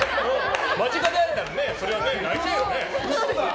間近で会えたらね、そりゃね泣いちゃうよね！